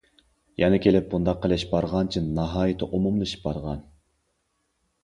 يەنە كېلىپ بۇنداق قىلىش بارغانچە ناھايىتى ئومۇملىشىپ بارغان.